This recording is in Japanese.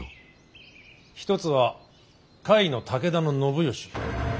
一つは甲斐の武田信義。